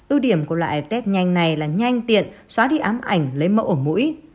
ưu điểm của loại tết nhanh này là nhanh tiện xóa đi ám ảnh lấy mẫu ở mũi